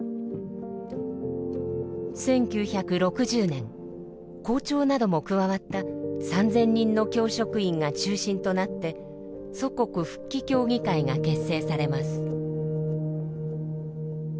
１９６０年校長なども加わった３，０００人の教職員が中心となって祖国復帰協議会が結成されます。